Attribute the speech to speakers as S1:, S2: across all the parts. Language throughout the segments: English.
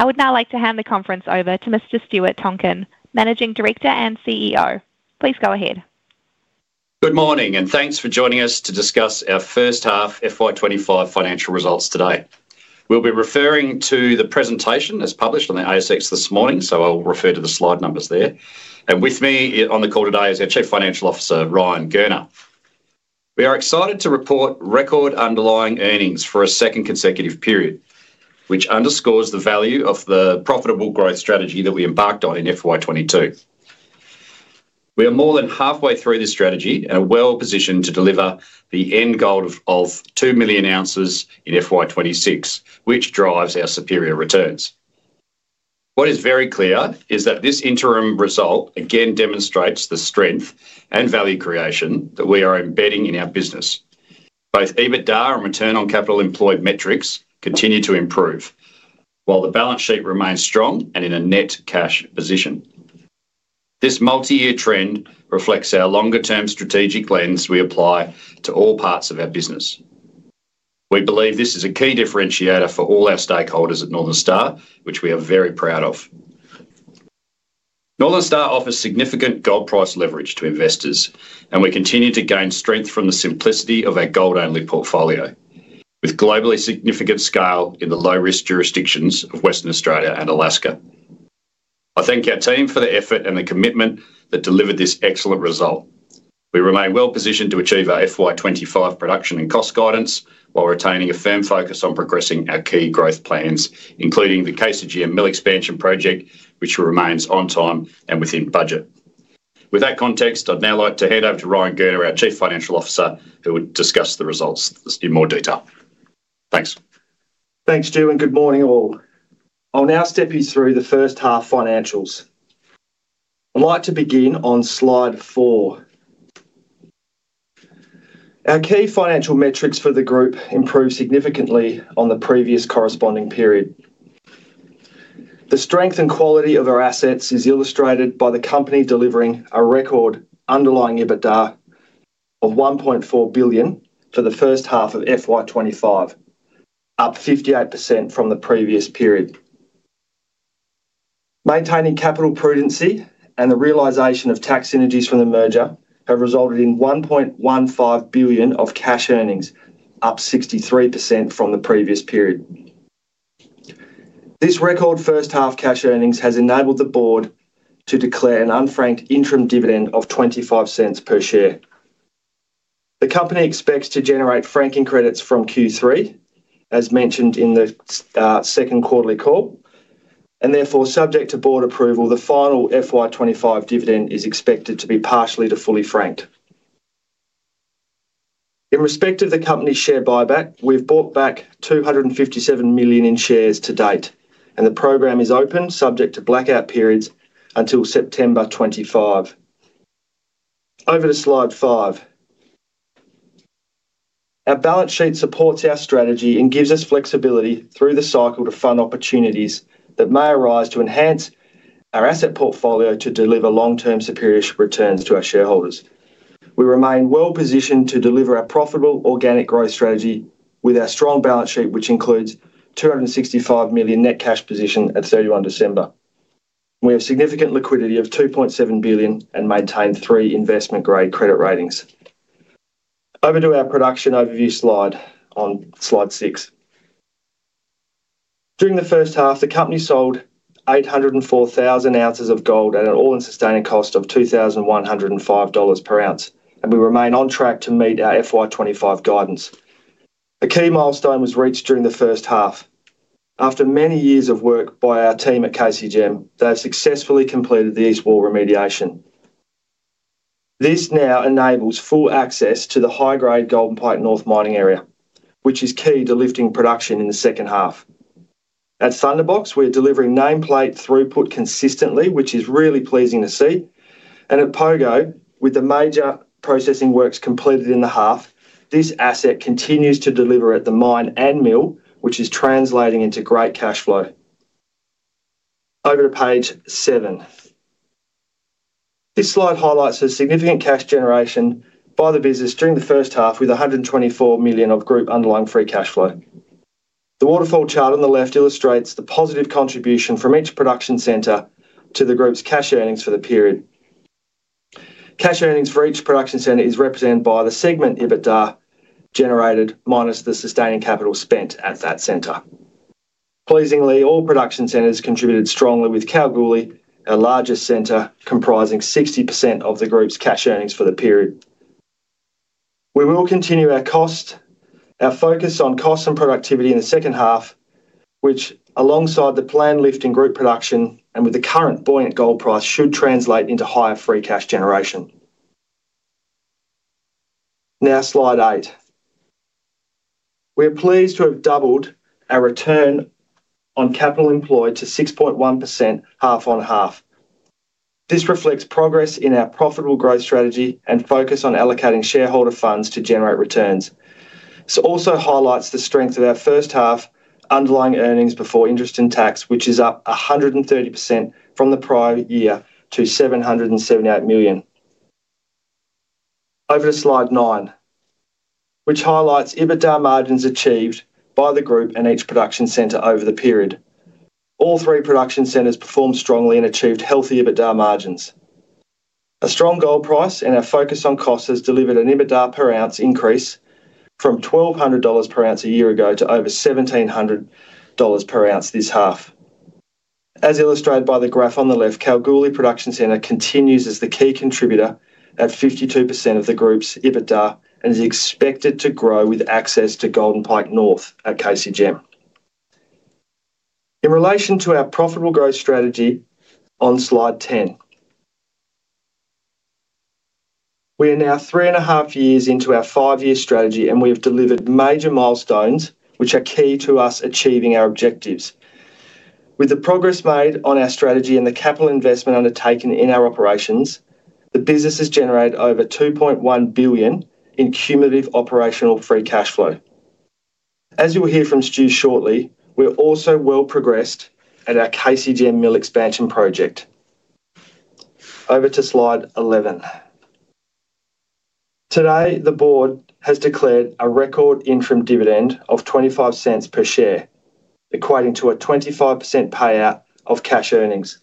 S1: I would now like to hand the conference over to Mr. Stuart Tonkin, Managing Director and CEO. Please go ahead.
S2: Good morning, and thanks for joining us to discuss our first half FY25 financial results today. We'll be referring to the presentation as published on the ASX this morning, so I'll refer to the slide numbers there, and with me on the call today is our Chief Financial Officer, Ryan Gurner. We are excited to report record underlying earnings for a second consecutive period, which underscores the value of the profitable growth strategy that we embarked on in FY22. We are more than halfway through this strategy and are well positioned to deliver the end goal of two million ounces in FY26, which drives our superior returns. What is very clear is that this interim result again demonstrates the strength and value creation that we are embedding in our business. Both EBITDA and return on capital employed metrics continue to improve, while the balance sheet remains strong and in a net cash position. This multi-year trend reflects our longer-term strategic lens we apply to all parts of our business. We believe this is a key differentiator for all our stakeholders at Northern Star, which we are very proud of. Northern Star offers significant gold price leverage to investors, and we continue to gain strength from the simplicity of our gold-only portfolio, with globally significant scale in the low-risk jurisdictions of Western Australia and Alaska. I thank our team for the effort and the commitment that delivered this excellent result. We remain well positioned to achieve our FY25 production and cost guidance while retaining a firm focus on progressing our key growth plans, including the KCGM Mill Expansion project, which remains on time and within budget. With that context, I'd now like to hand over to Ryan Gurner, our Chief Financial Officer, who will discuss the results in more detail. Thanks.
S3: Thanks, Stuart, and good morning, all. I'll now step you through the first half financials. I'd like to begin on slide four. Our key financial metrics for the group improved significantly on the previous corresponding period. The strength and quality of our assets is illustrated by the company delivering a record underlying EBITDA of 1.4 billion for the first half of FY25, up 58% from the previous period. Maintaining capital prudency and the realization of tax synergies from the merger have resulted in 1.15 billion of cash earnings, up 63% from the previous period. This record first half cash earnings has enabled the board to declare an unfranked interim dividend of 0.25 per share. The company expects to generate franking credits from Q3, as mentioned in the second quarterly call, and therefore, subject to board approval, the final FY25 dividend is expected to be partially to fully franked. In respect of the company's share buyback, we've bought back 257 million in shares to date, and the program is open, subject to blackout periods until September 25. Over to slide five. Our balance sheet supports our strategy and gives us flexibility through the cycle to fund opportunities that may arise to enhance our asset portfolio to deliver long-term superior returns to our shareholders. We remain well positioned to deliver a profitable organic growth strategy with our strong balance sheet, which includes 265 million net cash position at 31 December. We have significant liquidity of 2.7 billion and maintain three investment-grade credit ratings. Over to our production overview slide on slide six. During the first half, the company sold 804,000 ounces of gold at an all-in sustaining cost of $2,105 per ounce, and we remain on track to meet our FY25 guidance. A key milestone was reached during the first half. After many years of work by our team at KCGM, they've successfully completed the East Wall remediation. This now enables full access to the high-grade Golden Pike North mining area, which is key to lifting production in the second half. At Thunderbox, we're delivering nameplate throughput consistently, which is really pleasing to see. And at Pogo, with the major processing works completed in the half, this asset continues to deliver at the mine and mill, which is translating into great cash flow. Over to page seven. This slide highlights a significant cash generation by the business during the first half with 124 million of group underlying free cash flow. The waterfall chart on the left illustrates the positive contribution from each production center to the group's cash earnings for the period. Cash earnings for each production centre is represented by the segment EBITDA generated minus the sustaining capital spent at that centre. Pleasingly, all production centres contributed strongly with Kalgoorlie, our largest centre, comprising 60% of the group's cash earnings for the period. We will continue our focus on cost and productivity in the second half, which, alongside the planned lift in group production and with the current buoyant gold price, should translate into higher free cash generation. Now slide eight. We are pleased to have doubled our return on capital employed to 6.1% half on half. This reflects progress in our profitable growth strategy and focus on allocating shareholder funds to generate returns. This also highlights the strength of our first half underlying earnings before interest and tax, which is up 130% from the prior year to 778 million. Over to slide nine, which highlights EBITDA margins achieved by the group and each production center over the period. All three production centers performed strongly and achieved healthy EBITDA margins. A strong gold price and our focus on cost has delivered an EBITDA per ounce increase from $1,200 per ounce a year ago to over $1,700 per ounce this half. As illustrated by the graph on the left, Kalgoorlie production center continues as the key contributor at 52% of the group's EBITDA and is expected to grow with access to Golden Pike North at KCGM. In relation to our profitable growth strategy on slide ten, we are now three and a half years into our five-year strategy, and we have delivered major milestones which are key to us achieving our objectives. With the progress made on our strategy and the capital investment undertaken in our operations, the business has generated over 2.1 billion in cumulative operational free cash flow. As you will hear from Stuart shortly, we're also well progressed at our KCGM Mill Expansion project. Over to slide 11. Today, the board has declared a record interim dividend of 0.25 per share, equating to a 25% payout of cash earnings.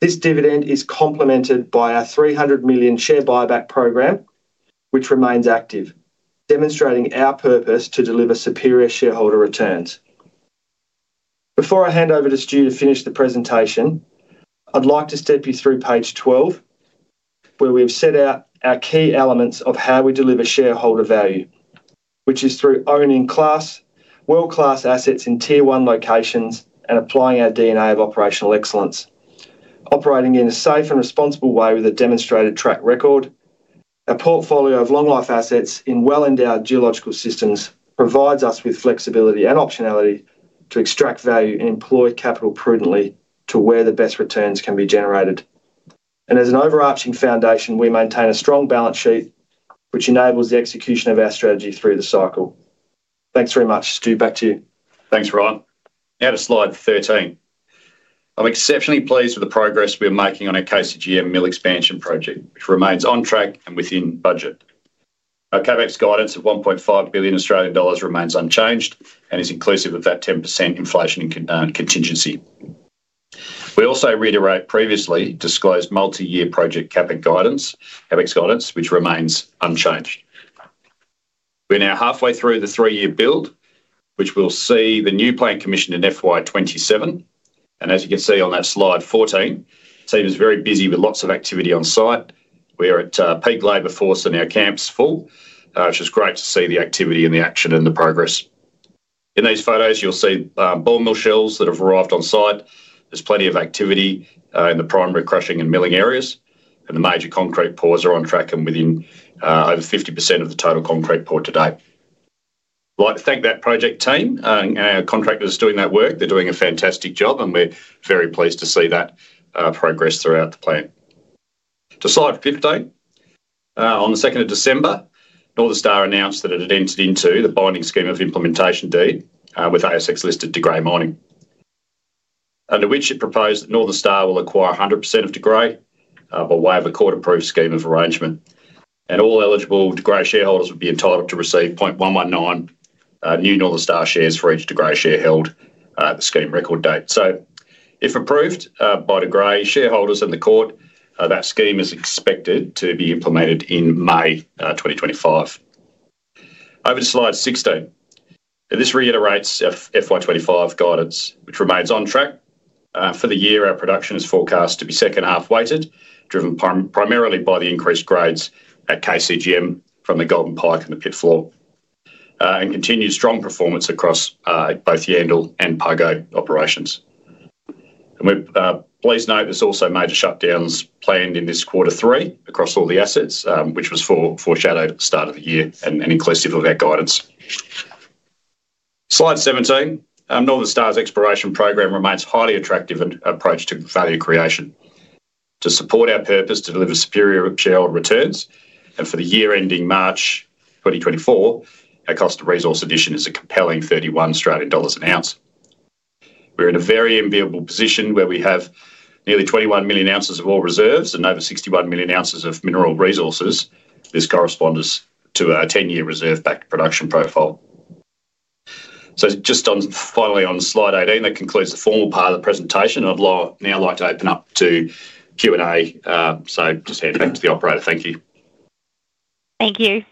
S3: This dividend is complemented by our 300 million share buyback program, which remains active, demonstrating our purpose to deliver superior shareholder returns. Before I hand over to Stuart to finish the presentation, I'd like to step you through page 12, where we've set out our key elements of how we deliver shareholder value, which is through owning class world-class assets in tier one locations and applying our DNA of operational excellence. Operating in a safe and responsible way with a demonstrated track record, a portfolio of long-life assets in well-endowed geological systems provides us with flexibility and optionality to extract value and employ capital prudently to where the best returns can be generated, and as an overarching foundation, we maintain a strong balance sheet, which enables the execution of our strategy through the cycle. Thanks very much, Stuart. Back to you.
S2: Thanks, Ryan. Now to slide 13. I'm exceptionally pleased with the progress we are making on our KCGM mill expansion project, which remains on track and within budget. Our CapEx guidance of 1.5 billion Australian dollars remains unchanged and is inclusive of that 10% inflation contingency. We also reiterate previously disclosed multi-year project CapEx guidance, which remains unchanged. We're now halfway through the three-year build, which we'll see the new plant commissioned in FY27. And as you can see on that slide 14, the team is very busy with lots of activity on site. We are at peak labor force and our camps full, which is great to see the activity and the action and the progress. In these photos, you'll see ball mill shells that have arrived on site. There's plenty of activity in the primary crushing and milling areas, and the major concrete pours are on track and within over 50% of the total concrete pour today. I'd like to thank that project team and our contractors doing that work. They're doing a fantastic job, and we're very pleased to see that progress throughout the plan. To slide 15. On the 2nd of December, Northern Star announced that it had entered into the binding scheme of implementation deed with ASX-listed De Grey Mining, under which it proposed that Northern Star will acquire 100% of De Grey by way of a court-approved scheme of arrangement, and all eligible De Grey shareholders would be entitled to receive 0.119 new Northern Star shares for each De Grey share held at the scheme record date, so if approved by De Grey shareholders and the court, that scheme is expected to be implemented in May 2025. Over to slide 16. This reiterates FY25 guidance, which remains on track. For the year, our production is forecast to be second half weighted, driven primarily by the increased grades at KCGM from the Golden Pike and the pit floor, and continued strong performance across both Yandal and Pogo operations. And please note there's also major shutdowns planned in this quarter three across all the assets, which was foreshadowed at the start of the year and inclusive of our guidance. Slide 17. Northern Star's exploration program remains highly attractive and a path to value creation. To support our purpose to deliver superior shareholder returns, and for the year ending March 2024, our cost of resource addition is a compelling 31 Australian dollars an ounce. We're in a very enviable position where we have nearly 21 million ounces of ore reserves and over 61 million ounces of mineral resources. This corresponds to our 10-year reserve back to production profile. So just finally on slide 18, that concludes the formal part of the presentation. I'd now like to open up to Q&A, so just hand back to the operator. Thank you.
S1: Thank you.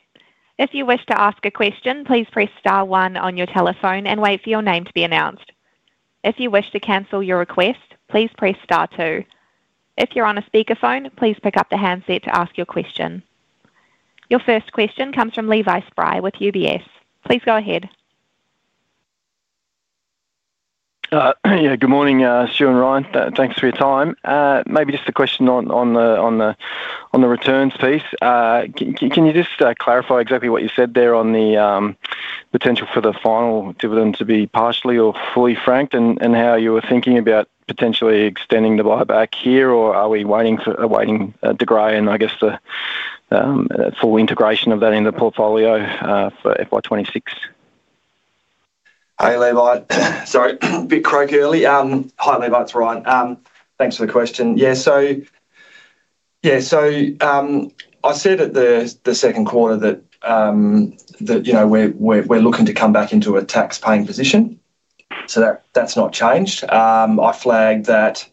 S1: If you wish to ask a question, please press star one on your telephone and wait for your name to be announced. If you wish to cancel your request, please press star two. If you're on a speakerphone, please pick up the handset to ask your question. Your first question comes from Levi Spry with UBS. Please go ahead.
S4: Yeah, good morning, Stuart and Ryan. Thanks for your time. Maybe just a question on the returns piece. Can you just clarify exactly what you said there on the potential for the final dividend to be partially or fully franked and how you were thinking about potentially extending the buyback here, or are we waiting for De Grey and I guess the full integration of that in the portfolio for FY26?
S3: Hey, Levi. Sorry, a bit croaky early. Hi, Levi. It's Ryan. Thanks for the question. Yeah, so yeah, so I said at the second quarter that we're looking to come back into a tax-paying position. So that's not changed. I flagged that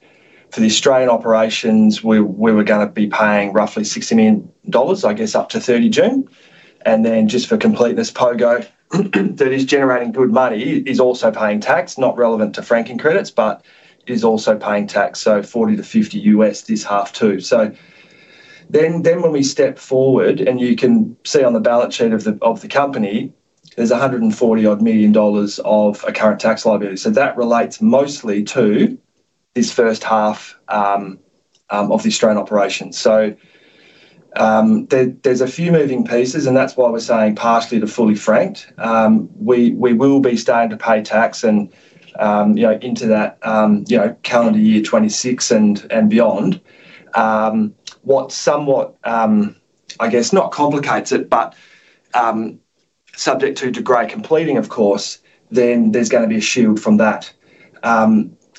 S3: for the Australian operations, we were going to be paying roughly 60 million dollars, I guess up to 30 June. And then just for completeness, Pogo, that is generating good money, is also paying tax, not relevant to franking credits, but is also paying tax. So $40-$50 million USD this half too. So then when we step forward, and you can see on the balance sheet of the company, there's 140-odd million dollars of a current tax liability. So that relates mostly to this first half of the Australian operations. So there's a few moving pieces, and that's why we're saying partially to fully franked. We will be starting to pay tax into that calendar year 2026 and beyond. What somewhat, I guess, not complicates it, but subject to De Grey completing, of course, then there's going to be a shield from that.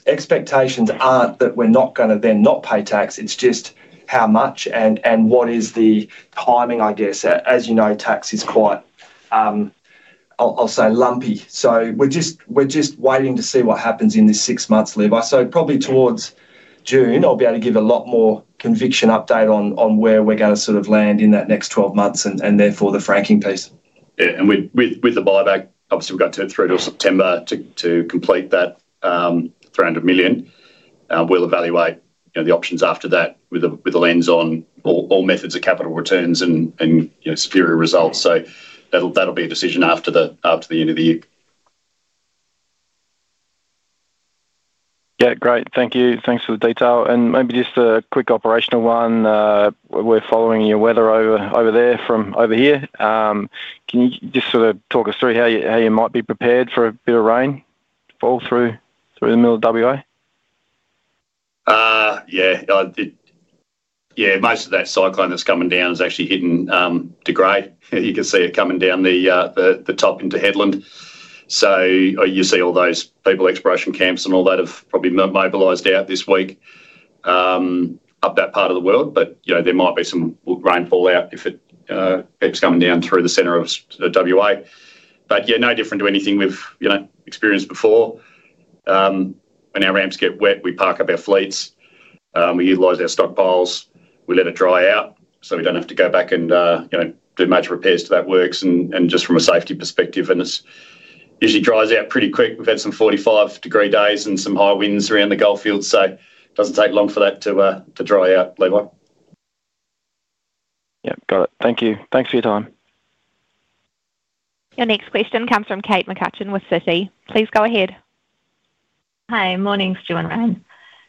S3: Expectations aren't that we're not going to then not pay tax. It's just how much and what is the timing, I guess. As you know, tax is quite, I'll say, lumpy. So we're just waiting to see what happens in this six months, Levi. So probably towards June, I'll be able to give a lot more conviction update on where we're going to sort of land in that next 12 months and therefore the franking piece.
S2: Yeah. And with the buyback, obviously, we've got to go through to September to complete that 300 million. We'll evaluate the options after that with a lens on all methods of capital returns and superior results. So that'll be a decision after the end of the year.
S4: Yeah, great. Thank you. Thanks for the detail. And maybe just a quick operational one. We're following your weather over there from over here. Can you just sort of talk us through how you might be prepared for a bit of rain to fall through the middle of WA?
S2: Yeah. Yeah, most of that cyclone that's coming down is actually hitting De Grey. You can see it coming down the top into Hedland. So you see all those people exploration camps and all that have probably mobilised out this week up that part of the world. But there might be some rainfall out if it keeps coming down through the center of WA. But yeah, no different to anything we've experienced before. When our ramps get wet, we park up our fleets. We utilize our stockpiles. We let it dry out so we don't have to go back and do major repairs to that works and just from a safety perspective, and it usually dries out pretty quick. We've had some 45-degree days and some high winds around the Goldfields. So it doesn't take long for that to dry out, Levi.
S4: Yeah, got it. Thank you. Thanks for your time.
S1: Your next question comes from Kate McCutcheon with Citi. Please go ahead.
S5: Hi, morning, Stuart and Ryan.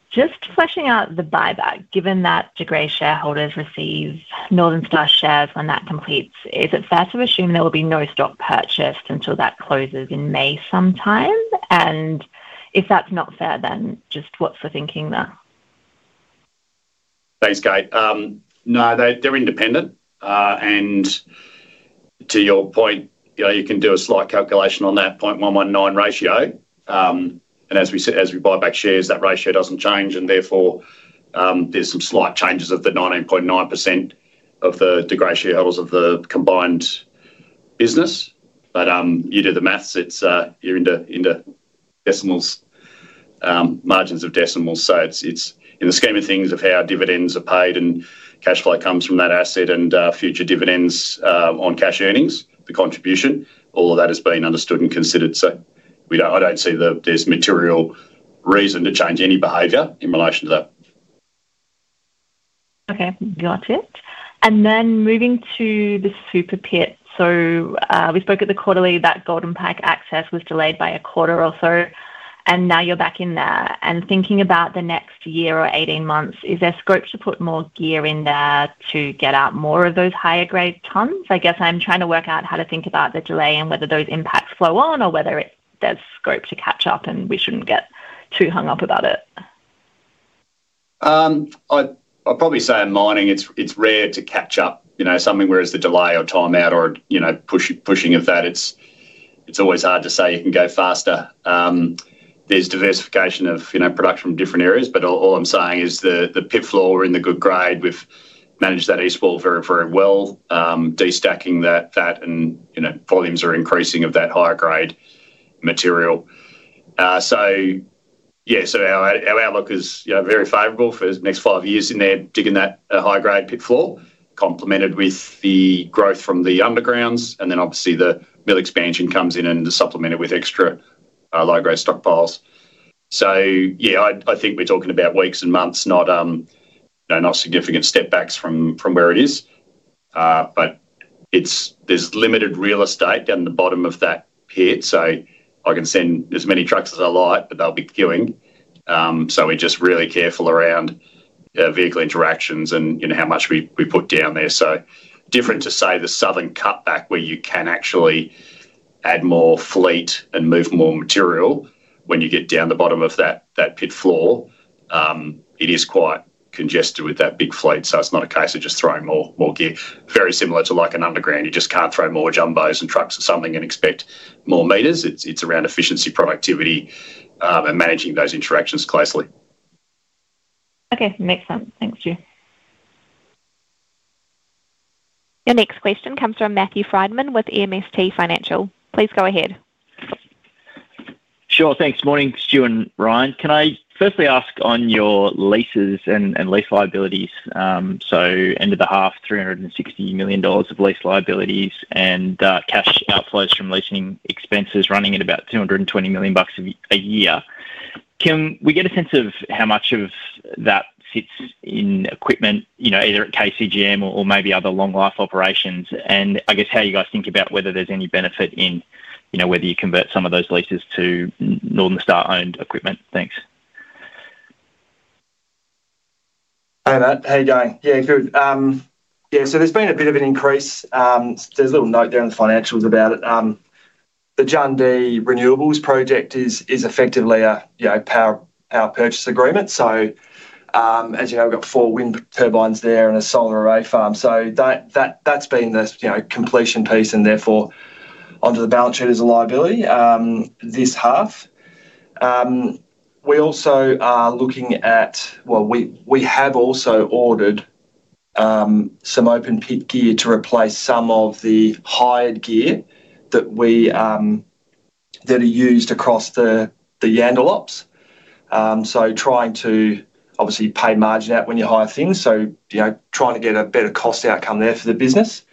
S5: Just fleshing out the buyback, given that De Grey shareholders receive Northern Star shares when that completes, is it fair to assume there will be no stock purchased until that closes in May sometime? And if that's not fair, then just what's the thinking there?
S2: Thanks, Kate. No, they're independent. And to your point, you can do a slight calculation on that 0.119 ratio. And as we buy back shares, that ratio doesn't change. And therefore, there's some slight changes of the 19.9% of the De Grey shareholders of the combined business. But you do the math, you're into decimals, margins of decimals. So in the scheme of things of how dividends are paid and cash flow comes from that asset and future dividends on cash earnings, the contribution, all of that has been understood and considered. So I don't see there's material reason to change any behavior in relation to that.
S5: Okay, got it. And then moving to the Super Pit. So we spoke at the quarterly that Golden Pike access was delayed by a quarter or so. And now you're back in there. And thinking about the next year or 18 months, is there scope to put more gear in there to get out more of those higher grade tons? I guess I'm trying to work out how to think about the delay and whether those impacts flow on or whether there's scope to catch up and we shouldn't get too hung up about it.
S2: I'd probably say in mining, it's rare to catch up something, whereas the delay or timeout or pushing of that, it's always hard to say it can go faster. There's diversification of production from different areas, but all I'm saying is the pit floor we're in the good grade. We've managed that east wall very, very well, destacking that, and volumes are increasing of that higher grade material. So yeah, so our outlook is very favorable for the next five years in there digging that high grade pit floor, complemented with the growth from the undergrounds. And then obviously the mill expansion comes in and is supplemented with extra low-grade stockpiles. So yeah, I think we're talking about weeks and months, not significant stepbacks from where it is. But there's limited real estate down the bottom of that pit. So I can send as many trucks as I like, but they'll be queuing. So we're just really careful around vehicle interactions and how much we put down there. So different to say the southern cutback where you can actually add more fleet and move more material when you get down the bottom of that pit floor. It is quite congested with that big fleet, so it's not a case of just throwing more gear. Very similar to like an underground, you just can't throw more jumbos and trucks or something and expect more meters. It's around efficiency, productivity, and managing those interactions closely.
S5: Okay, makes sense. Thanks, Stuart.
S1: Your next question comes from Matthew Frydman with MST Financial. Please go ahead.
S6: Sure, thanks. Morning, Stuart and Ryan. Can I firstly ask on your leases and lease liabilities? So end of the half, 360 million dollars of lease liabilities and cash outflows from leasing expenses running at about 220 million bucks a year. Can we get a sense of how much of that sits in equipment, either at KCGM or maybe other long-life operations? And I guess how you guys think about whether there's any benefit in whether you convert some of those leases to Northern Star-owned equipment? Thanks.
S3: Hey, Matt. Hey, Jay. Yeah, good. Yeah, so there's been a bit of an increase. There's a little note there in the financials about it. The Jundee Renewables project is effectively a power purchase agreement. So as you know, we've got four wind turbines there and a solar array farm. So that's been the completion piece and therefore onto the balance sheet as a liability this half. We also are looking at, well, we have also ordered some open pit gear to replace some of the hired gear that are used across the Yandal ops. So trying to obviously pay margin out when you hire things, so trying to get a better cost outcome there for the business.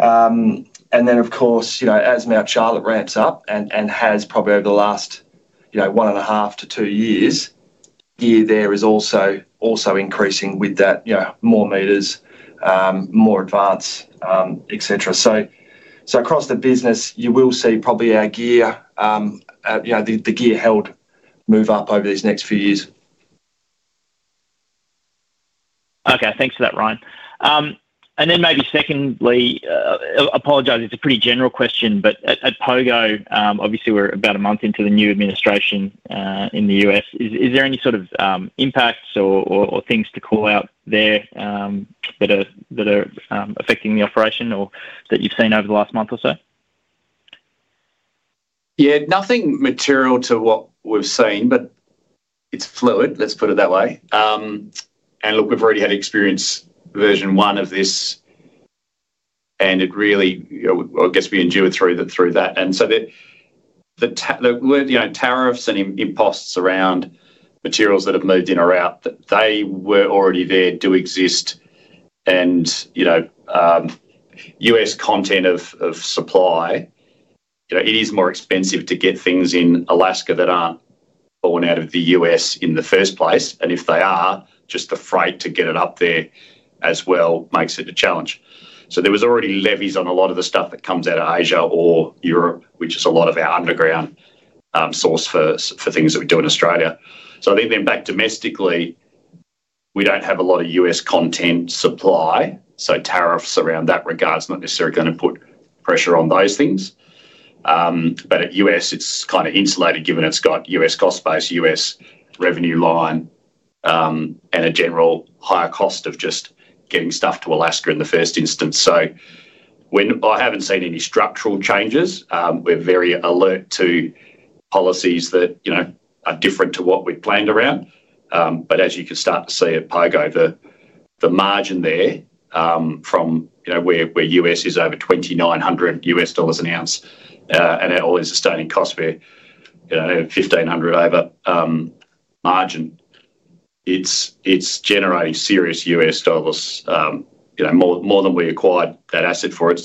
S3: And then, of course, as Mt Charlotte ramps up and has probably over the last one and a half to two years, grade there is also increasing with that more meters, more advance, etc. So across the business, you will see probably our grade, the grade held, move up over these next few years.
S6: Okay, thanks for that, Ryan. And then maybe secondly, apologise, it's a pretty general question, but at Pogo, obviously we're about a month into the new administration in the U.S. Is there any sort of impacts or things to call out there that are affecting the operation or that you've seen over the last month or so?
S2: Yeah, nothing material to what we've seen, but it's fluid, let's put it that way. And look, we've already had experience version one of this, and it really, I guess we endured through that. And so the tariffs and imposts around materials that have moved in or out, they were already there to exist. And U.S. content of supply, it is more expensive to get things in Alaska that aren't born out of the U.S. in the first place. And if they are, just the freight to get it up there as well makes it a challenge. So there was already levies on a lot of the stuff that comes out of Asia or Europe, which is a lot of our underground source for things that we do in Australia. So I think then back domestically, we don't have a lot of U.S. content supply. So tariffs around that regard is not necessarily going to put pressure on those things. But in the U.S., it's kind of insulated given it's got U.S. cost base, U.S. revenue line, and a general higher cost of just getting stuff to Alaska in the first instance. So I haven't seen any structural changes. We're very alert to policies that are different to what we've planned around. But as you can start to see at Pogo, the margin there from where it's over $2,900 U.S. dollars an ounce, and all-in sustaining costs were $1,500 over margin, it's generating serious U.S. dollars, more than we acquired that asset for. I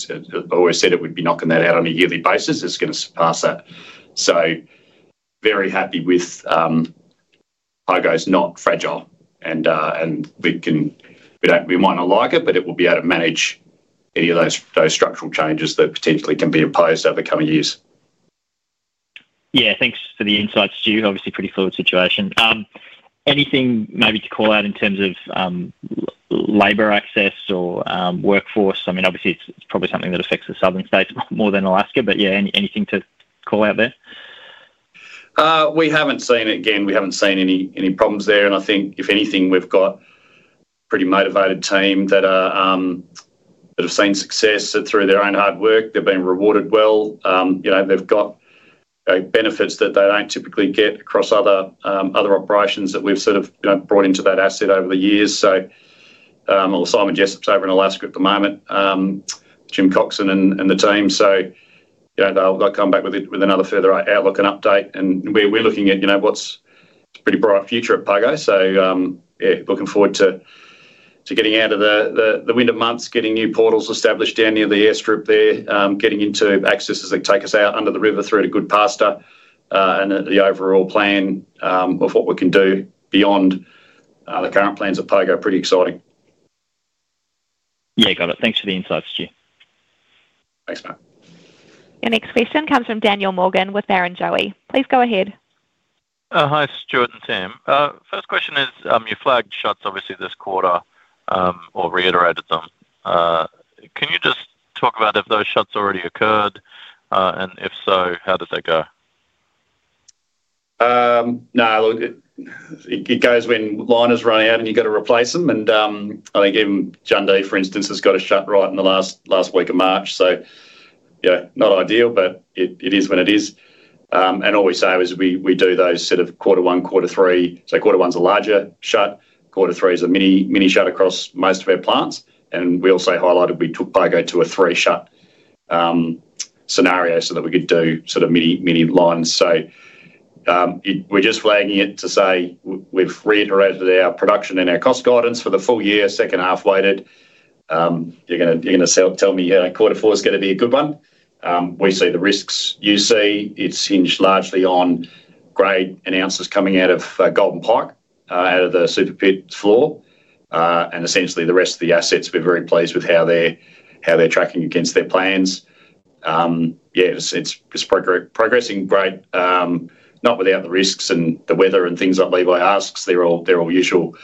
S2: always said it would be knocking that out on a yearly basis. It's going to surpass that. So very happy with Pogo's not fragile. And we might not like it, but it will be able to manage any of those structural changes that potentially can be imposed over coming years.
S6: Yeah, thanks for the insights, Stuart. Obviously, pretty fluid situation. Anything maybe to call out in terms of labor access or workforce? I mean, obviously, it's probably something that affects the southern states more than Alaska, but yeah, anything to call out there?
S2: We haven't seen it. Again, we haven't seen any problems there. I think if anything, we've got a pretty motivated team that have seen success through their own hard work. They've been rewarded well. They've got benefits that they don't typically get across other operations that we've sort of brought into that asset over the years. Simon Jessop's over in Alaska at the moment, Jim Coxon and the team. They'll come back with another further outlook and update. We're looking at what's a pretty bright future at Pogo. Yeah, looking forward to getting out of the winter months, getting new portals established down near the airstrip there, getting into access as they take us out under the river through to Goodpaster. The overall plan of what we can do beyond the current plans at Pogo is pretty exciting.
S6: Yeah, got it. Thanks for the insights, Stuart.
S2: Thanks, Matt.
S1: Your next question comes from Daniel Morgan with Barrenjoey. Please go ahead.
S7: Hi, Stuart and Tim. First question is, you flagged shorts obviously this quarter or reiterated them. Can you just talk about if those shorts already occurred, and if so, how does that go?
S2: No, look, it goes when liner is run out and you've got to replace them. And I think even Jundee, for instance, has got a shut right in the last week of March. So yeah, not ideal, but it is when it is. And all we say is we do those sort of quarter one, quarter three. So quarter one's a larger shut. Quarter three is a mini shut across most of our plants. And we also highlighted we took Pogo to a three-shut scenario so that we could do sort of mini relines. So we're just flagging it to say we've reiterated our production and our cost guidance for the full year, second half weighted. You're going to tell me quarter four is going to be a good one. We see the risks you see. It's hinged largely on grade and ounces coming out of Golden Pike, out of the Super Pit floor. Essentially, the rest of the assets, we're very pleased with how they're tracking against their plans. Yeah, it's progressing great, not without the risks and the weather and things like Levi asks. They're all usual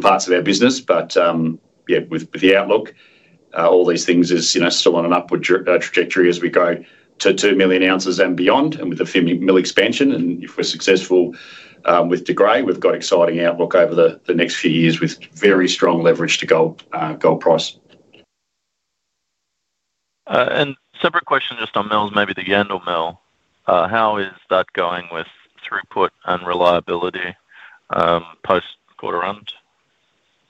S2: parts of our business. Yeah, with the outlook, all these things are still on an upward trajectory as we go to two million ounces and beyond and with a mill expansion. If we're successful with the grade, we've got exciting outlook over the next few years with very strong leverage to gold price.
S7: And separate question just on mills, maybe the Yandal mill. How is that going with throughput and reliability post-quarter run?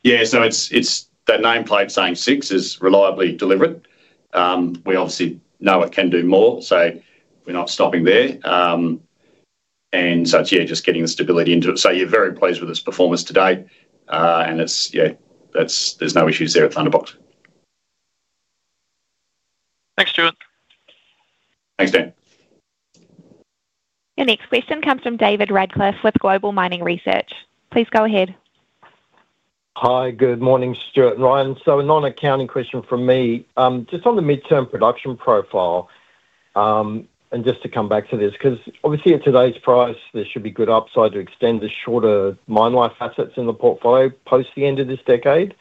S2: Yeah, so it's that nameplate saying six is reliably delivered. We obviously know it can do more, so we're not stopping there. And so it's, yeah, just getting the stability into it. So you're very pleased with its performance today. And there's no issues there at Thunderbox.
S7: Thanks, Stuart.
S2: Thanks, Dan.
S1: Your next question comes from David Radclyffe with Global Mining Research. Please go ahead.
S8: Hi, good morning, Stuart and Ryan. So a non-accounting question from me. Just on the midterm production profile, and just to come back to this, because obviously at today's price, there should be good upside to extend the shorter mine life assets in the portfolio post the end of this decade.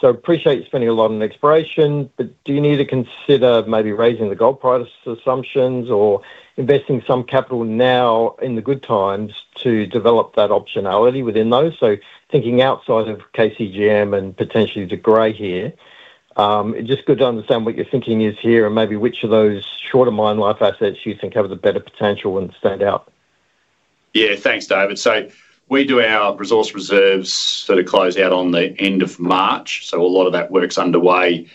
S8: So appreciate you spending a lot on exploration, but do you need to consider maybe raising the gold price assumptions or investing some capital now in the good times to develop that optionality within those? So thinking outside of KCGM and potentially De Grey here, it's just good to understand what your thinking is here and maybe which of those shorter mine life assets you think have the better potential and stand out.
S2: Yeah, thanks, David. So we do our resource reserves sort of close out on the end of March. So a lot of that work's underway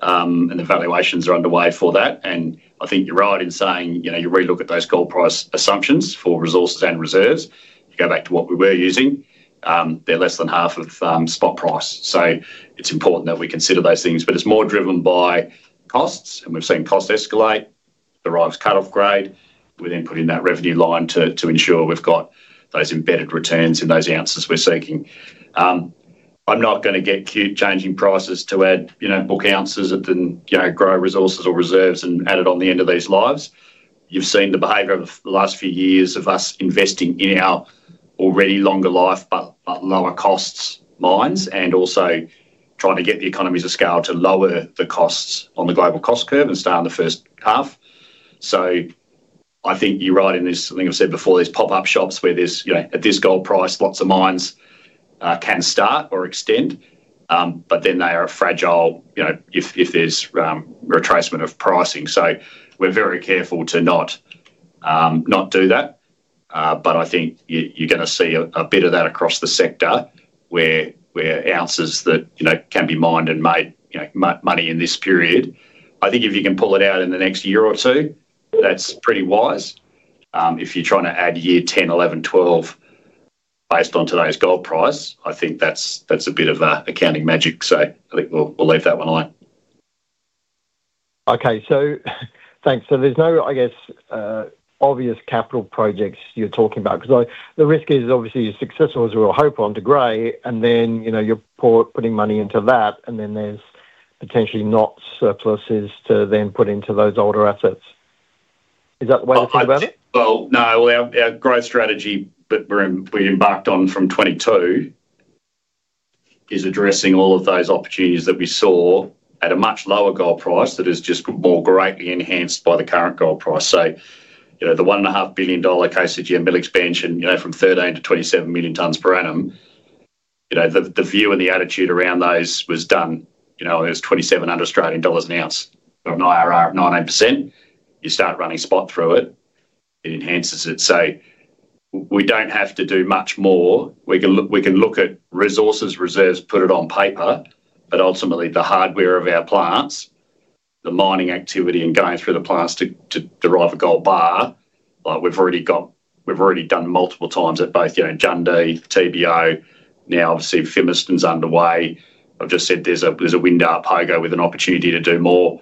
S2: and the valuations are underway for that. And I think you're right in saying you relook at those gold price assumptions for resources and reserves. You go back to what we were using. They're less than half of spot price. So it's important that we consider those things, but it's more driven by costs. And we've seen costs escalate, the rising cut-off grade. We then put in that revenue line to ensure we've got those embedded returns in those ounces we're seeking. I'm not going to get changing prices to add book ounces that then grow resources or reserves and add it on the end of these lives. You've seen the behavior of the last few years of us investing in our already longer life, but lower costs mines and also trying to get the economies of scale to lower the costs on the global cost curve and start in the first half. So I think you're right in this, like I've said before, these pop-up shops where there's at this gold price, lots of mines can start or extend, but then they are fragile if there's retracement of pricing. So we're very careful to not do that. But I think you're going to see a bit of that across the sector where ounces that can be mined and made money in this period. I think if you can pull it out in the next year or two, that's pretty wise. If you're trying to add year 10, 11, 12 based on today's gold price, I think that's a bit of accounting magic. So I think we'll leave that one alone.
S8: Okay, so thanks. So there's no, I guess, obvious capital projects you're talking about because the risk is obviously you're successful, as we'll hope on De Grey, and then you're putting money into that, and then there's potentially not surpluses to then put into those older assets. Is that the way to think about it?
S2: No, our growth strategy that we embarked on from 2022 is addressing all of those opportunities that we saw at a much lower gold price that is just more greatly enhanced by the current gold price. So the 1.5 billion dollar KCGM mill expansion from 13 to 27 million tonnes per annum, the view and the attitude around those was done. It was 2,700 Australian dollars an ounce or an IRR of 19%. You start running spot through it, it enhances it. So we don't have to do much more. We can look at resources, reserves, put it on paper, but ultimately the hardware of our plants, the mining activity and going through the plants to derive a gold bar, we've already done multiple times at both Jundee, Thunderbox, now obviously Fimiston is underway. I've just said there's a window at Pogo with an opportunity to do more.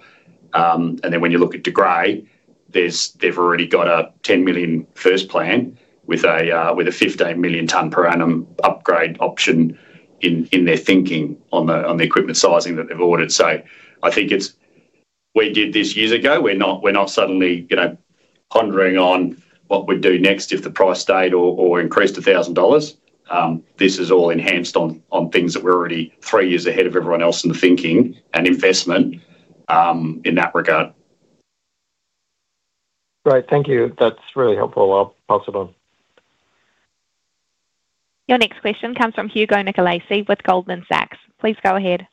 S2: And then when you look at De Grey, they've already got a 10 million ounce first plan with a 15 million tonne per annum upgrade option in their thinking on the equipment sizing that they've ordered. So I think it's we did this years ago. We're not suddenly pondering on what we do next if the price stayed or increased $1,000. This is all enhanced on things that we're already three years ahead of everyone else in the thinking and investment in that regard.
S8: Great. Thank you. That's really helpful. Well, possible.
S1: Your next question comes from Hugo Nicolaci with Goldman Sachs. Please go ahead.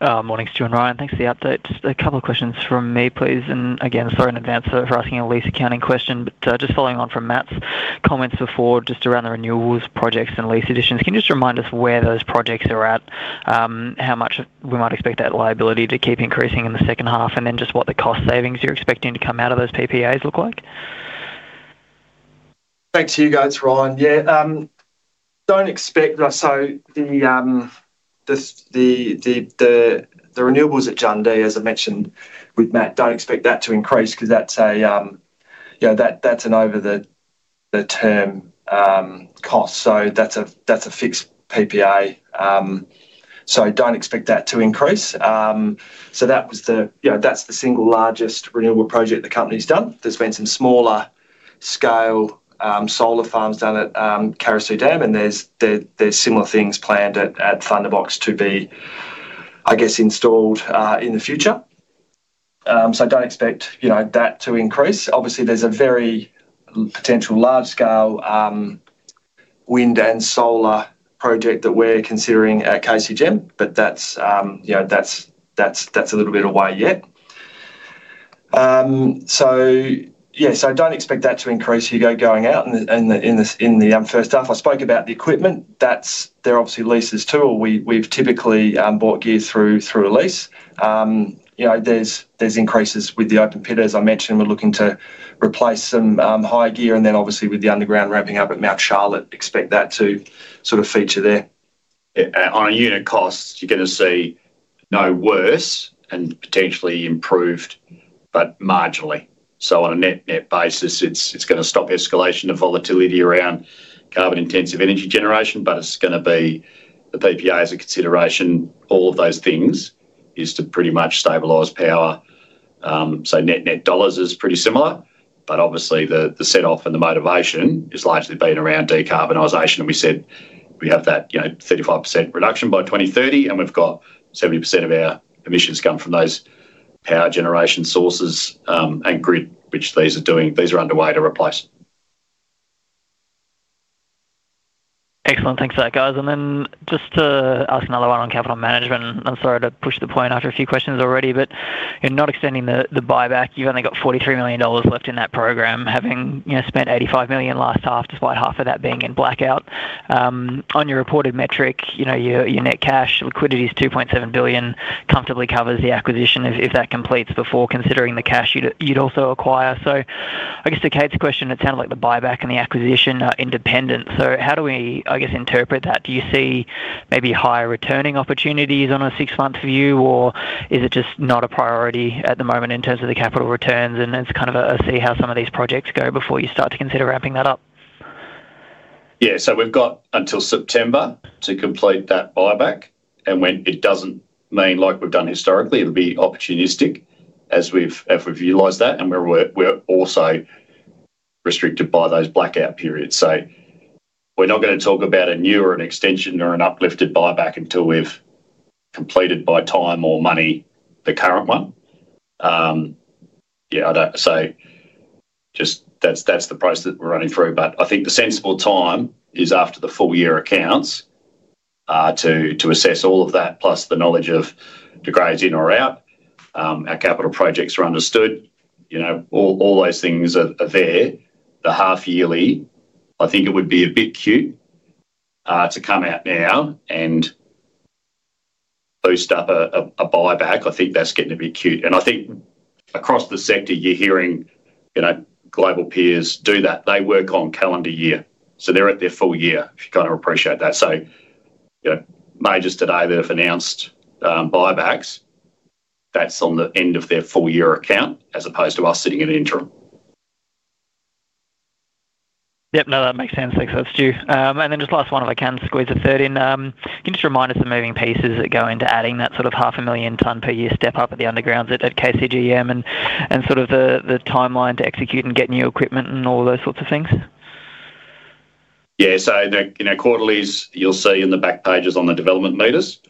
S9: Morning, Stuart and Ryan. Thanks for the update. Just a couple of questions from me, please, and again, sorry in advance for asking a lease accounting question, but just following on from Matt's comments before just around the renewals projects and lease additions, can you just remind us where those projects are at, how much we might expect that liability to keep increasing in the second half, and then just what the cost savings you're expecting to come out of those PPAs look like?
S3: Thanks to you guys, Ryan. Yeah, don't expect so the renewables at Jundee, as I mentioned with Matt, don't expect that to increase because that's an over-the-term cost. So that's a fixed PPA. So don't expect that to increase. So that's the single largest renewable project the company's done. There's been some smaller scale solar farms done at Carosue Dam, and there's similar things planned at Thunderbox to be, I guess, installed in the future. So don't expect that to increase. Obviously, there's a very potential large scale wind and solar project that we're considering at KCGM, but that's a little bit away yet. So yeah, so don't expect that to increase. You know, going out in the first half. I spoke about the equipment. They're obviously leases too. We've typically bought gear through a lease. There's increases with the open pit. As I mentioned, we're looking to replace some high grade, and then obviously with the underground ramping up at Mt Charlotte, expect that to sort of feature there.
S2: On a unit cost, you're going to see no worse and potentially improved, but marginally. So on a net-net basis, it's going to stop escalation of volatility around carbon-intensive energy generation, but it's going to be the PPA as a consideration. All of those things is to pretty much stabilize power. So net-net dollars is pretty similar, but obviously the set-off and the motivation has largely been around decarbonization. We said we have that 35% reduction by 2030, and we've got 70% of our emissions come from those power generation sources and grid, which these are doing. These are underway to replace.
S9: Excellent. Thanks for that, guys, and then just to ask another one on capital management. I'm sorry to push the point after a few questions already, but you're not extending the buyback. You've only got 43 million dollars left in that program, having spent 85 million last half, despite half of that being in blackout. On your reported metric, your net cash liquidity is 2.7 billion, comfortably covers the acquisition if that completes before considering the cash you'd also acquire. So I guess to Kate's question, it sounded like the buyback and the acquisition are independent, so how do we, I guess, interpret that? Do you see maybe higher returning opportunities on a six-month view, or is it just not a priority at the moment in terms of the capital returns, and it's kind of a see how some of these projects go before you start to consider ramping that up.
S2: Yeah, so we've got until September to complete that buyback. And when it doesn't mean like we've done historically, it'll be opportunistic as we've utilized that. And we're also restricted by those blackout periods. So we're not going to talk about a new or an extension or an uplifted buyback until we've completed by time or money the current one. Yeah, so just that's the process that we're running through. But I think the sensible time is after the full year accounts to assess all of that, plus the knowledge of De Grey's in or out. Our capital projects are understood. All those things are there. The half yearly, I think it would be a bit cute to come out now and boost up a buyback. I think that's getting a bit cute. And I think across the sector, you're hearing global peers do that. They work on calendar year. So they're at their full year, if you kind of appreciate that. So majors today that have announced buybacks, that's on the end of their full year account as opposed to us sitting in an interim.
S9: Yep, no, that makes sense. Thanks for that, Stu. And then just last one, if I can squeeze a third in, can you just remind us the moving pieces that go into adding that sort of 500,000 tonne per year step up at the undergrounds at KCGM and sort of the timeline to execute and get new equipment and all those sorts of things?
S2: Yeah, so quarterlies, you'll see in the back pages on the development meters,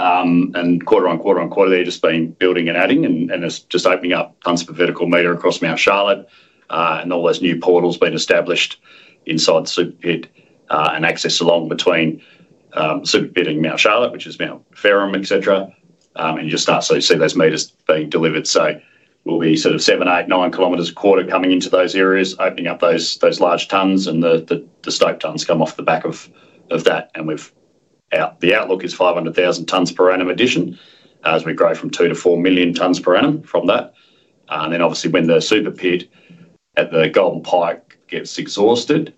S2: and quarter on quarter on quarter, they've just been building and adding, and it's just opening up tons of vertical meter across Mt. Charlotte, and all those new portals being established inside the Super Pit and access along between Super Pit and Mt. Charlotte, which is Mt. Ferrum, etc., and you just start to see those meters being delivered, so we'll be sort of seven, eight, nine kilometers a quarter coming into those areas, opening up those large tons, and the stoping tons come off the back of that, and the outlook is 500,000 tons per annum addition as we grow from two to four million tons per annum from that. And then obviously when the Super Pit at the Golden Pike gets exhausted,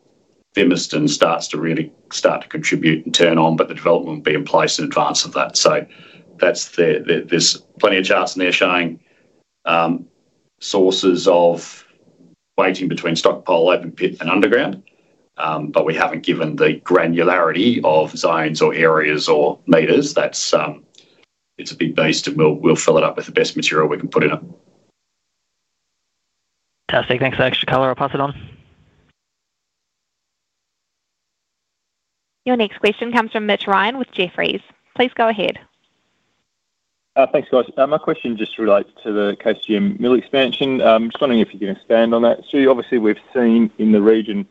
S2: Fimiston starts to really contribute and turn on, but the development will be in place in advance of that. So there's plenty of charts in there showing sources of weighting between stockpile, open pit, and underground. But we haven't given the granularity of zones or areas or meters. It's a big beast, and we'll fill it up with the best material we can put in it.
S9: Fantastic. Thanks for that extra color. I'll pass it on.
S1: Your next question comes from Mitch Ryan with Jefferies. Please go ahead.
S10: Thanks, guys. My question just relates to the KCGM mill expansion. I'm just wondering if you can expand on that. Stu, obviously we've seen in the region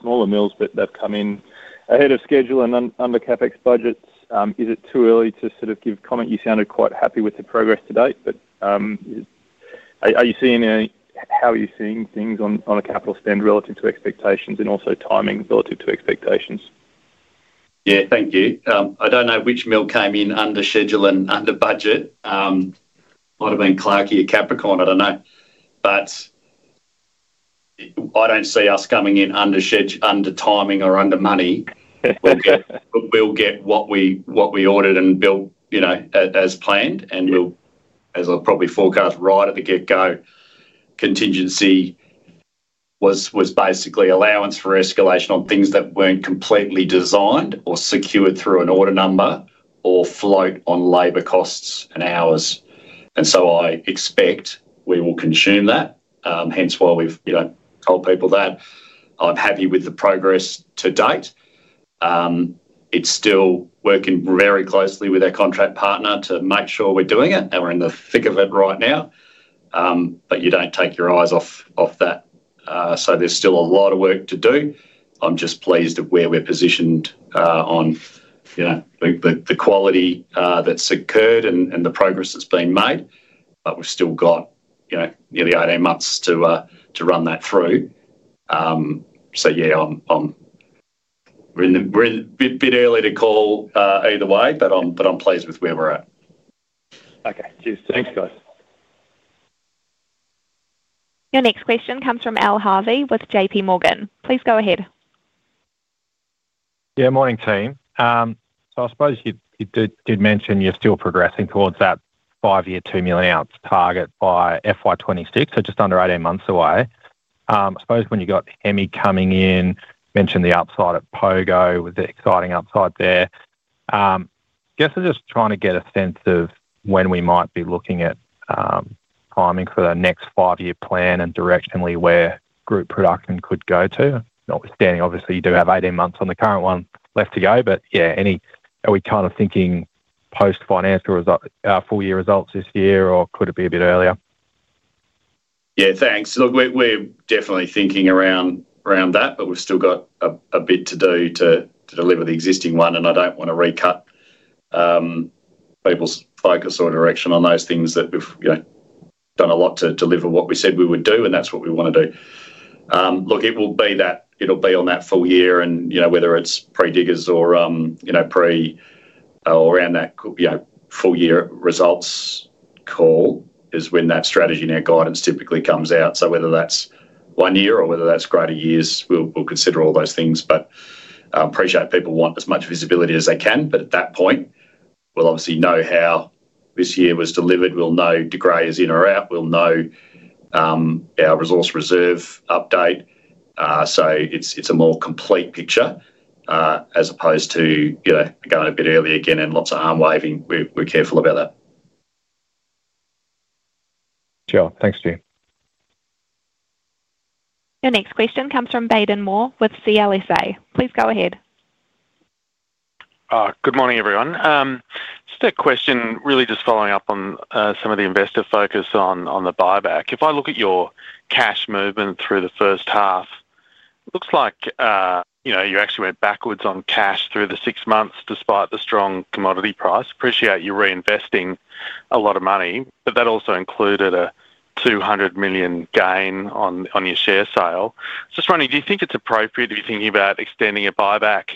S10: smaller mills that have come in ahead of schedule and under CapEx budgets. Is it too early to sort of give comment? You sounded quite happy with the progress today, but are you seeing how are you seeing things on a capital spend relative to expectations and also timing relative to expectations?
S2: Yeah, thank you. I don't know which mill came in under schedule and under budget. Might have been Clarkie or Capricorn, I don't know. But I don't see us coming in under timing or under money. We'll get what we ordered and built as planned. And as I probably forecast right at the get-go, contingency was basically allowance for escalation on things that weren't completely designed or secured through an order number or float on labor costs and hours. And so I expect we will consume that. Hence, why we've told people that. I'm happy with the progress to date. It's still working very closely with our contract partner to make sure we're doing it, and we're in the thick of it right now. But you don't take your eyes off that. So there's still a lot of work to do. I'm just pleased with where we're positioned on the quality that's occurred and the progress that's being made. But we've still got nearly 18 months to run that through. So yeah, we're a bit early to call either way, but I'm pleased with where we're at.
S10: Okay. Cheers. Thanks, guys.
S1: Your next question comes from Al Harvey with J.P. Morgan. Please go ahead.
S11: Yeah, morning, team. So I suppose you did mention you're still progressing towards that five-year, two million-ounce target by FY26, so just under 18 months away. I suppose when you got Hemi coming in, mentioned the upside at Pogo with the exciting upside there. Guess I'm just trying to get a sense of when we might be looking at timing for the next five-year plan and directionally where group production could go to. Notwithstanding, obviously, you do have 18 months on the current one left to go. But yeah, are we kind of thinking post-financial full year results this year, or could it be a bit earlier?
S2: Yeah, thanks. Look, we're definitely thinking around that, but we've still got a bit to do to deliver the existing one. And I don't want to recut people's focus or direction on those things that we've done a lot to deliver what we said we would do, and that's what we want to do. Look, it will be that it'll be on that full year. And whether it's pre-Diggers or around that full year results call is when that strategy and our guidance typically comes out. So whether that's one year or whether that's greater years, we'll consider all those things. But I appreciate people want as much visibility as they can. But at that point, we'll obviously know how this year was delivered. We'll know De Grey is in or out. We'll know our resource reserve update. So it's a more complete picture as opposed to going a bit early again and lots of arm waving. We're careful about that.
S11: Sure. Thanks, Stu.
S1: Your next question comes from Baden Moore with CLSA. Please go ahead.
S12: Good morning, everyone. Just a question, really just following up on some of the investor focus on the buyback. If I look at your cash movement through the first half, it looks like you actually went backwards on cash through the six months despite the strong commodity price. Appreciate you reinvesting a lot of money, but that also included a 200 million gain on your share sale. Just wondering, do you think it's appropriate? Are you thinking about extending a buyback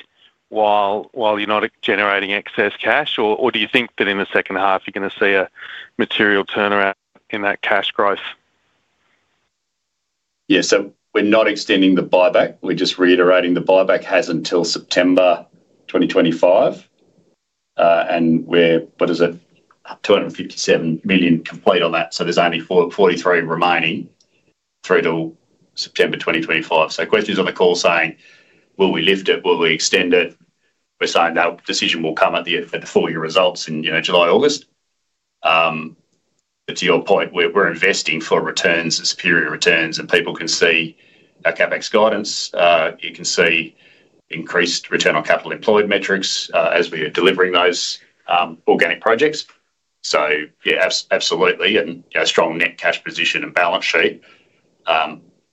S12: while you're not generating excess cash, or do you think that in the second half you're going to see a material turnaround in that cash growth?
S2: Yeah, so we're not extending the buyback. We're just reiterating the buyback has until September 2025. And we're, what is it, 257 million complete on that. So there's only 43 remaining through to September 2025. So questions on the call saying, will we lift it? Will we extend it? We're saying that decision will come at the full year results in July, August. But to your point, we're investing for returns, superior returns, and people can see our CapEx guidance. You can see increased return on capital employed metrics as we are delivering those organic projects. So yeah, absolutely. And a strong net cash position and balance sheet.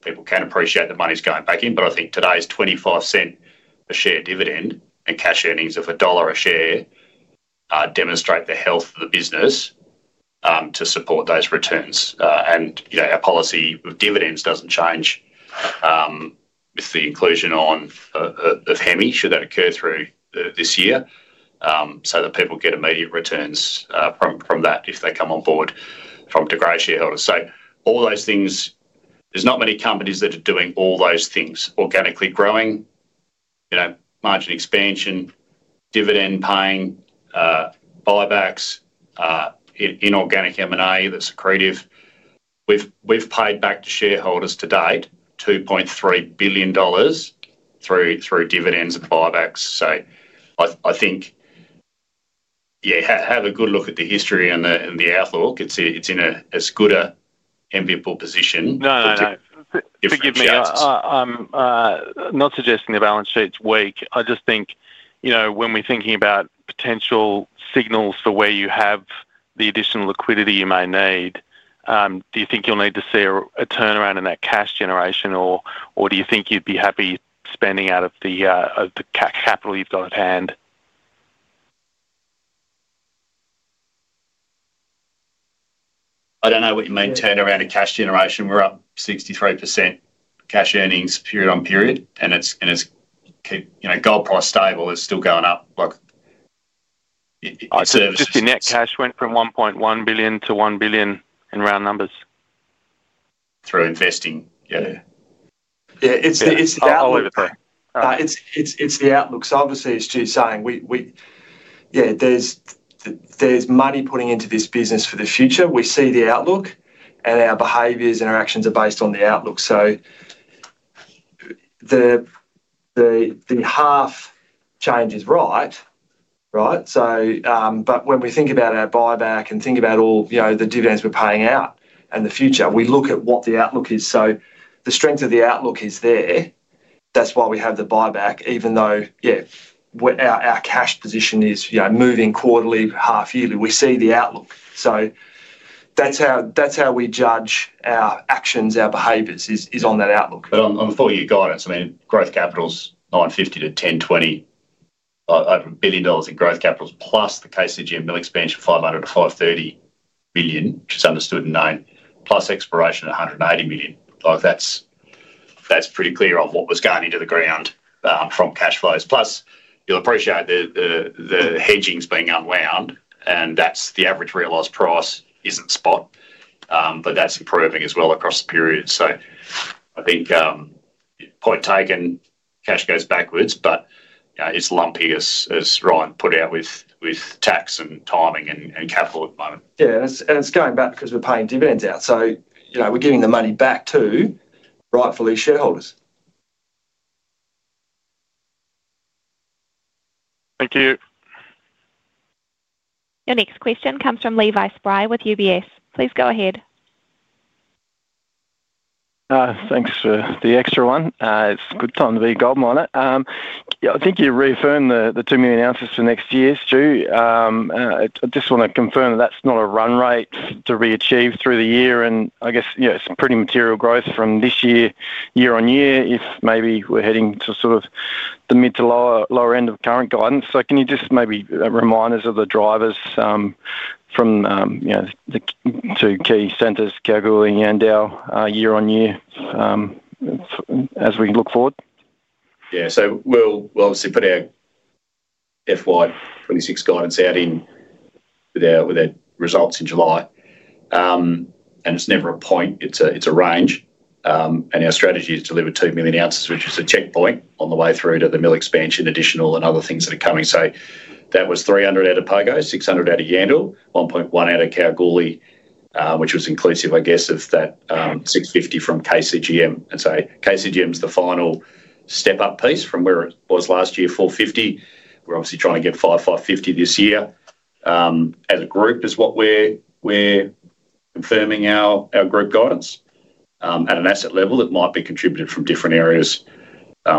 S2: People can appreciate the money's going back in. But I think today's 0.25 a share dividend and cash earnings of AUD 1 a share demonstrate the health of the business to support those returns. Our policy with dividends doesn't change with the inclusion of Hemi should that occur through this year so that people get immediate returns from that if they come on board from De Grey shareholders. So all those things, there's not many companies that are doing all those things: organically growing, margin expansion, dividend paying, buybacks, inorganic M&A that's accretive. We've paid back to shareholders to date 2.3 billion dollars through dividends and buybacks. So I think, yeah, have a good look at the history and the outlook. It's in a good, enviable position.
S12: No, no, no. Forgive me. I'm not suggesting the balance sheet's weak. I just think when we're thinking about potential signals for where you have the additional liquidity you may need, do you think you'll need to see a turnaround in that cash generation, or do you think you'd be happy spending out of the capital you've got at hand?
S2: I don't know what you mean turnaround in cash generation. We're up 63% cash earnings period on period, and it's gold price stable. It's still going up.
S12: Just your net cash went from 1.1 billion to 1 billion in round numbers?
S2: Through investing. Yeah.
S12: Yeah, it's the outlook. It's the outlook. So obviously, as Stu's saying, yeah, there's money putting into this business for the future. We see the outlook, and our behaviors and our actions are based on the outlook. So the half change is right, right? But when we think about our buyback and think about all the dividends we're paying out and the future, we look at what the outlook is. So the strength of the outlook is there. That's why we have the buyback, even though, yeah, our cash position is moving quarterly, half yearly. We see the outlook. So that's how we judge our actions, our behaviors is on that outlook.
S3: But on the full year guidance, I mean, growth capital's 950 million-1,020 million, over a billion dollars in growth capitals, plus the KCGM Mill Expansion, 500 million-530 million, which is understood and known, plus exploration at 180 million. That's pretty clear on what was going into the ground from cash flows. Plus, you'll appreciate the hedgings being unwound. And that's the average realized gold price isn't spot, but that's improving as well across the period. So I think point taken, cash goes backwards, but it's lumpy, as Ryan pointed out with tax and timing and capital at the moment.
S12: Yeah, and it's going back because we're paying dividends out. So we're giving the money back to, rightfully, shareholders. Thank you.
S1: Your next question comes from Levi Spry with UBS. Please go ahead.
S4: Thanks for the extra one. It's a good time to be a gold miner. I think you reaffirmed the two million ounces for next year, Stu. I just want to confirm that that's not a run rate to reach through the year. And I guess it's pretty material growth from this year, year on year, if maybe we're heading to sort of the mid to lower end of current guidance. So can you just maybe remind us of the drivers from the two key centres, Kalgoorlie and Yandal, year on year, as we look forward?
S2: Yeah. So we'll obviously put our FY26 guidance out with our results in July. And it's never a point. It's a range. And our strategy is to deliver two million ounces, which is a checkpoint on the way through to the mill expansion, additional, and other things that are coming. So that was 300 out of Pogo, 600 out of Yandal, 1.1 out of Kalgoorlie, which was inclusive, I guess, of that 650 from KCGM. And so KCGM is the final step-up piece from where it was last year, 450. We're obviously trying to get 550 this year as a group, is what we're confirming our group guidance at an asset level that might be contributed from different areas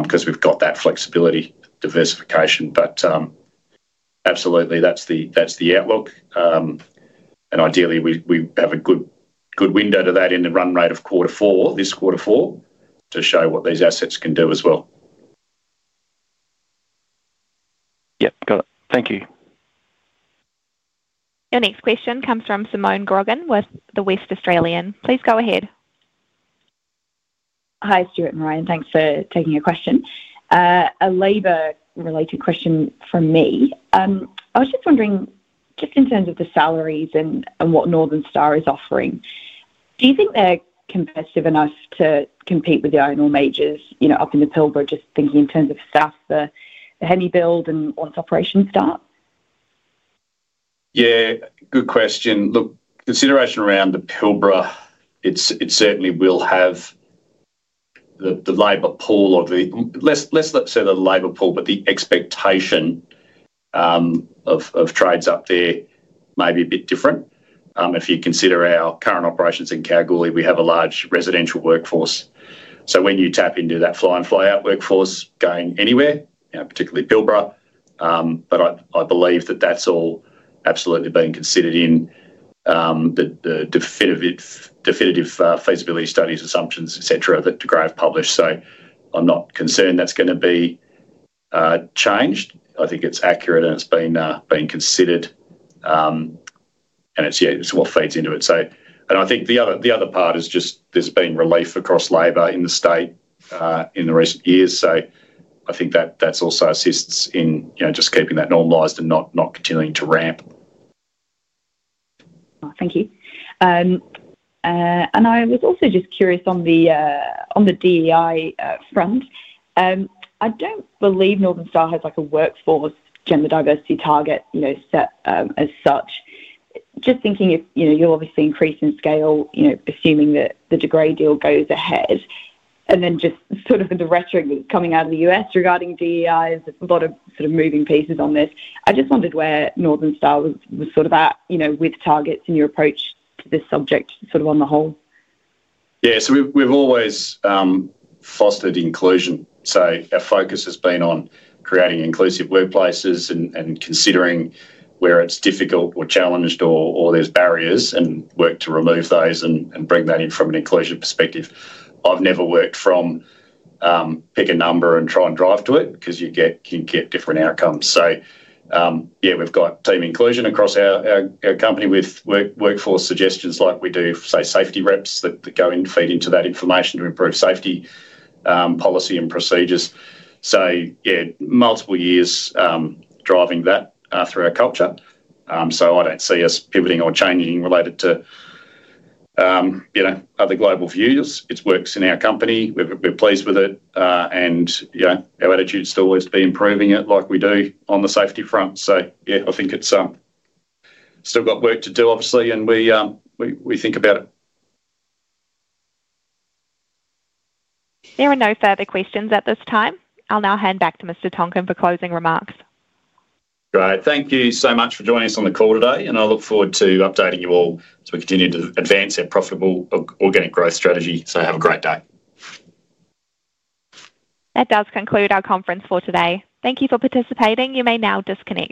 S2: because we've got that flexibility, diversification. But absolutely, that's the outlook. And ideally, we have a good window to that in the run rate of quarter four, this quarter four, to show what these assets can do as well.
S4: Yep. Got it. Thank you.
S1: Your next question comes from Simone Grogan with The West Australian. Please go ahead.
S13: Hi, Stuart and Ryan. Thanks for taking my question. A labor-related question from me. I was just wondering, just in terms of the salaries and what Northern Star is offering, do you think they're competitive enough to compete with the iron ore majors up in the Pilbara? Just thinking in terms of staff for Hemi build and once operations start.
S2: Yeah. Good question. Look, consideration around the Pilbara, it certainly will have the labor pool of the—let's not say the labor pool, but the expectation of trades up there may be a bit different. If you consider our current operations in Kalgoorlie, we have a large residential workforce. So when you tap into that fly-in, fly-out workforce going anywhere, particularly Pilbara, but I believe that that's all absolutely being considered in the definitive feasibility studies, assumptions, etc., that De Grey published. So I'm not concerned that's going to be changed. I think it's accurate and it's been considered. And it's what feeds into it. And I think the other part is just there's been relief across labor in the state in the recent years. So I think that that also assists in just keeping that normalized and not continuing to ramp.
S13: Thank you. And I was also just curious on the DEI front. I don't believe Northern Star has a workforce gender diversity target set as such. Just thinking if you'll obviously increase in scale, assuming that the De Grey deal goes ahead, and then just sort of in the rhetoric that's coming out of the U.S. regarding DEI, there's a lot of sort of moving pieces on this. I just wondered where Northern Star was sort of at with targets and your approach to this subject sort of on the whole.
S2: Yeah. So we've always fostered inclusion. So our focus has been on creating inclusive workplaces and considering where it's difficult or challenged or there's barriers and work to remove those and bring that in from an inclusion perspective. I've never worked from pick a number and try and drive to it because you can get different outcomes. So yeah, we've got team inclusion across our company with workforce suggestions like we do, say, safety reps that go in, feed into that information to improve safety policy and procedures. So yeah, multiple years driving that through our culture. So I don't see us pivoting or changing related to other global views. It works in our company. We're pleased with it. And our attitude is to always be improving it like we do on the safety front. So yeah, I think it's still got work to do, obviously, and we think about it.
S1: There are no further questions at this time. I'll now hand back to Mr. Tonkin for closing remarks.
S2: Great. Thank you so much for joining us on the call today. And I look forward to updating you all as we continue to advance our profitable organic growth strategy. So have a great day.
S1: That does conclude our conference for today. Thank you for participating. You may now disconnect.